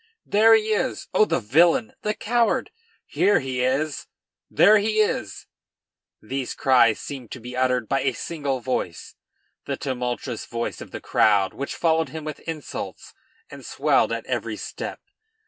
"There he is! oh, the villain! the coward! Here he is! There he is!" These cries seemed to be uttered by a single voice, the tumultuous voice of the crowd which followed him with insults and swelled at every step.